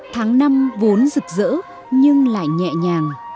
tháng năm vốn rực rỡ nhưng lại nhẹ nhàng